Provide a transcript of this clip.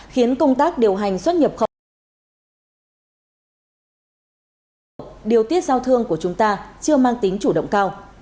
khiến công tác điều hành xuất nhập khẩu điều tiết giao thương của chúng ta chưa mang tính chủ động cao